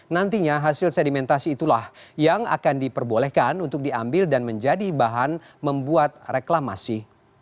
nantinya hasil sedimentasi itulah yang akan diperbolehkan untuk diambil dan menjadi bahan membuat reklamasi